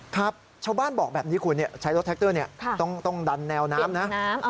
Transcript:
ครับชาวบ้านบอกแบบนี้คุณใช้รถแท็กเตอร์ต้องดันแนวน้ำนะ